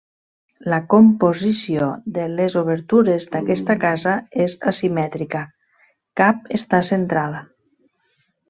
La composició de les obertures d'aquesta casa és asimètrica, cap està centrada.